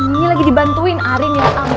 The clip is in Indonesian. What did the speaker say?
ini lagi dibantuin arin ya